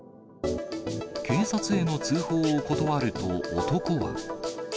警察への通報を断ると、男は。